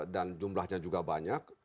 dan jumlahnya juga banyak